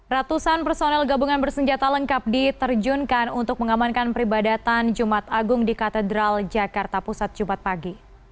ratusan personel gabungan bersenjata lengkap diterjunkan untuk mengamankan peribadatan jumat agung di katedral jakarta pusat jumat pagi